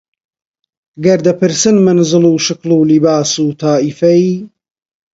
گەر دەپرسن مەنزڵ و شکڵ و لیباس و تائیفەی